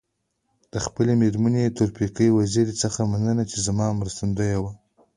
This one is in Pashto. د خپلي مېرمني تورپیکۍ وزيري څخه مننه چي زما مرستندويه وه.